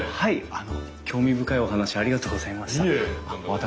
あの興味深いお話ありがとうございました。